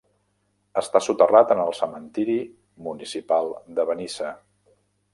Està soterrat en el cementeri municipal de Benissa.